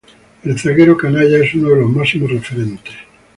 El zaguero canalla es uno de los máximos referentes.